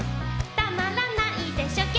たまらないでしょ